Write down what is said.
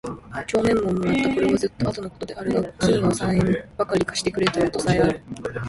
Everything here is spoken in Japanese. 帳面も貰つた。是はずつと後の事であるが金を三円許り借してくれた事さへある。